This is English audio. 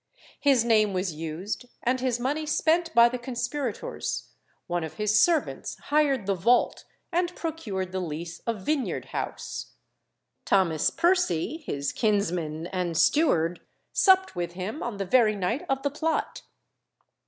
"His name was used and his money spent by the conspirators; one of his servants hired the vault, and procured the lease of Vineyard House. Thomas Percy, his kinsman and steward, supped with him on the very night of the plot.